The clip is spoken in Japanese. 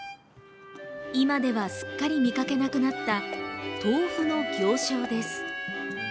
今では、すっかり見かけなくなった豆腐の行商です。